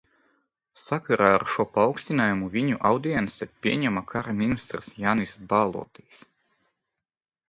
Sakarā ar šo paaugstinājumu viņu audiencē pieņēma kara ministrs Jānis Balodis.